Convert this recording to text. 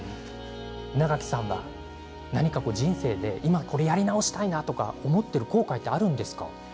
稲垣さんは何か人生で今これをやり直したいなと思っている後悔があるんですか。